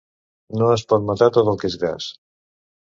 No es pot matar tot el que és gras.